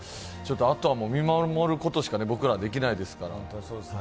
あとは見守ることしか僕らはできないですから。